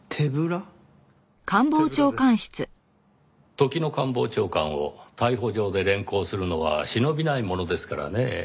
時の官房長官を逮捕状で連行するのは忍びないものですからねぇ。